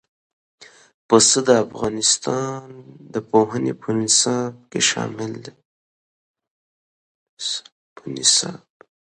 پسه د افغانستان د پوهنې په نصاب کې شامل دی.